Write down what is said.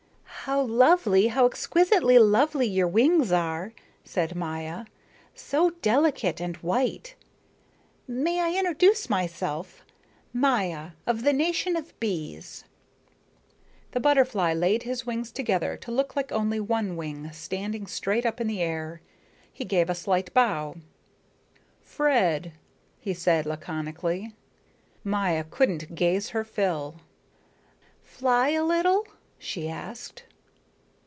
"How lovely, how exquisitely lovely your wings are," said Maya. "So delicate and white. May I introduce myself? Maya, of the nation of bees." The butterfly laid his wings together to look like only one wing standing straight up in the air. He gave a slight bow. "Fred," he said laconically. Maya couldn't gaze her fill. "Fly a little," she asked.